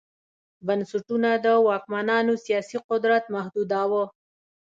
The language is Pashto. بنسټونه د واکمنانو سیاسي قدرت محدوداوه